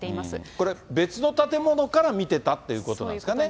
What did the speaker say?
これ、別の建物から見てたっていうことなんですかね。